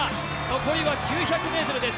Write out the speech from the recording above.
残りは９００ｍです。